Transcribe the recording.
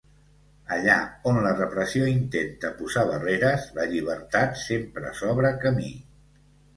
Allà on la repressió intenta posar barreres, la llibertat sempre s'obre camí.